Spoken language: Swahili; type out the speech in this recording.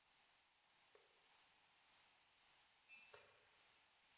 vya Ghuba umaarufu huo ulipotea haraka baada ya Bush kushindwa kushughulikia masuala mazito ya